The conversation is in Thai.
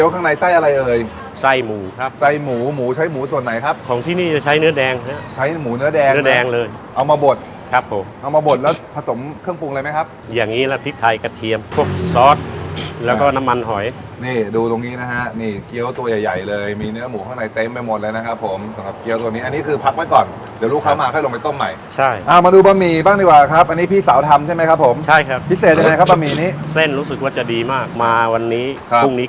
ข้างในไส้อะไรเอ่ยไส้หมูครับไส้หมูหมูใช้หมูส่วนไหนครับของที่นี่จะใช้เนื้อแดงใช้หมูเนื้อแดงเนื้อแดงเลยเอามาบดครับผมเอามาบดแล้วผสมเครื่องปรุงอะไรไหมครับอย่างงี้แล้วพริกไทยกระเทียมซอสแล้วก็น้ำมันหอยนี่ดูตรงนี้นะฮะนี่เกี้ยวตัวใหญ่ใหญ่เลยมีเนื้อหมูข้างในเต็มไปหมดแล้วนะครับผมสำหรับเกี้ย